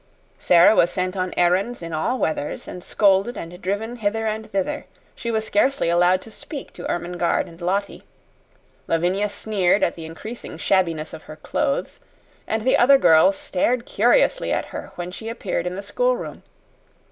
Sara was sent on errands in all weathers, and scolded and driven hither and thither; she was scarcely allowed to speak to Ermengarde and Lottie; Lavinia sneered at the increasing shabbiness of her clothes; and the other girls stared curiously at her when she appeared in the schoolroom.